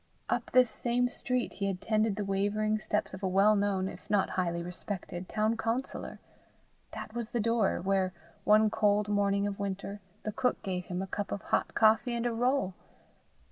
Up this same street he had tended the wavering steps of a well known if not highly respected town councillor! that was the door, where, one cold morning of winter, the cook gave him a cup of hot coffee and a roll!